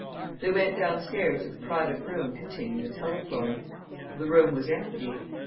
They went downstairs to the private room containing the telephone. The room was empty.